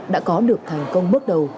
đã có được thành công bước đầu